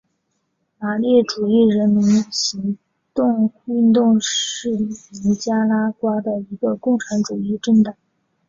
马列主义人民行动运动是尼加拉瓜的一个共产主义政党。